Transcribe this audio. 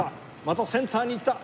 またセンターにいった。